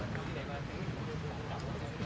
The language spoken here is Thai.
โปรดติดตามต่อไป